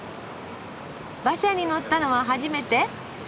馬車に乗ったのは初めて？